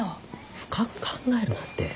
深く考えるなって。